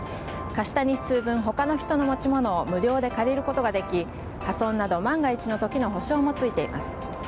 貸した日数分他の人の持ち物を無料で借りることができ破損など万が一の時の補償もついています。